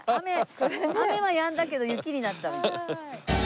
雨はやんだけど雪になったね。